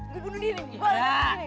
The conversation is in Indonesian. gue bunuh diri